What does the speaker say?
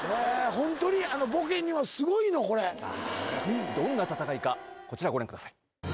ホントにボケにはすごいのこれどんな戦いかこちらご覧ください